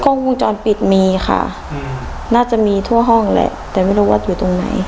กล้องวงจรปิดมีค่ะน่าจะมีทั่วห้องแหละแต่ไม่รู้ว่าอยู่ตรงไหน